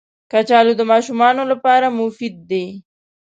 کچالو د ماشومانو لپاره مفید دي